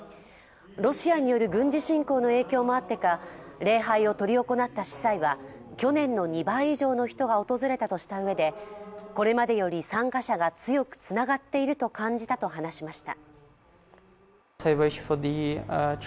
ロシアによる軍事侵攻の影響もあってか、礼拝を執り行った司祭は去年の２倍以上の人が訪れたとしたうえでこれまでより参加者が強くつながっていると感じたと話しました。